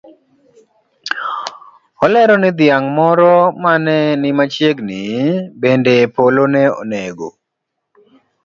Olero ni dhiang' moro mane ni machiegni bende polo ne onego.